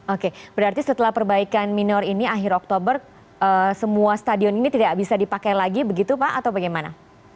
oke berarti setelah perbaikan minor ini akhir oktober semua stadion ini tidak bisa dipakai lagi begitu pak atau bagaimana